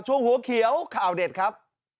หัวเขียวข่าวเด็ดครับ